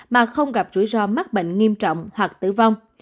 mà không gặp rủi ro mắc bệnh nghiêm trọng hoặc tử vong